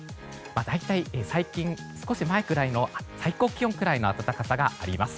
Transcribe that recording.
大体、少し前ぐらいの最高気温ぐらいの暖かさがあります。